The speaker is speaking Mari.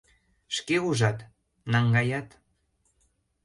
Шке ужат: наҥгаят..."